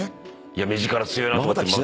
目力強いなと思って。